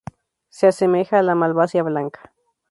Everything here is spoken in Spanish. Se asemeja a la malvasía blanca.